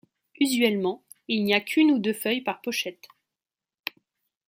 Usuellement, il n'y a qu'une ou deux feuilles par pochette.